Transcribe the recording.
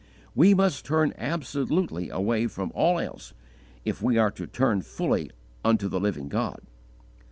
We must turn absolutely away from all else if we are to turn fully unto the living God.